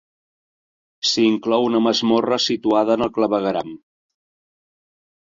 S'hi inclou una masmorra situada en el clavegueram.